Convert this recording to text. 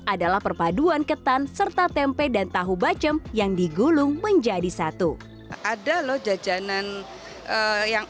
adalah perpaduan ketan serta tempe dan tahu bacem yang digulung menjadi satu ada loh jajanan yang